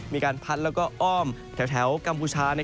มีการพัดแล้วก็อ้อมแถวกัมพูชา